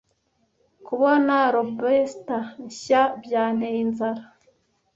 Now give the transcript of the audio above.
Kubona lobster nshya byanteye inzara.